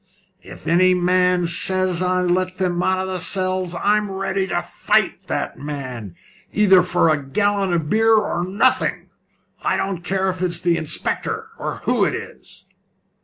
"If any man says I let them men out of the cells, I'm ready to fight that man, either for a gallon of beer or nothing. I don't care if it's the inspector, or who it is."